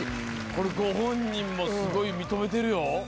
これご本人もすごい認めてるよ。